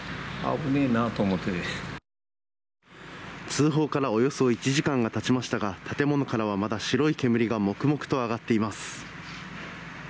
通報からおよそ１時間が経ちましたが建物からはまだ白い煙がもくもくと上がっています。